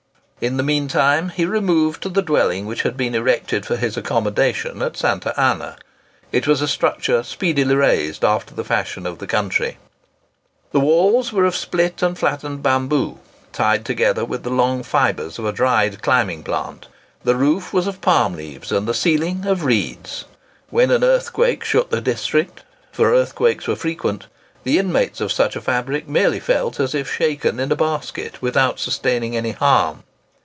In the mean time he removed to the dwelling which had been erected for his accommodation at Santa Anna. It was a structure speedily raised after the fashion of the country. [Picture: Robert Stephenson's Cottage at Santa Anna] The walls were of split and flattened bamboo, tied together with the long fibres of a dried climbing plant; the roof was of palm leaves, and the ceiling of reeds. When an earthquake shook the district—for earthquakes were frequent—the inmates of such a fabric merely felt as if shaken in a basket, without sustaining any harm.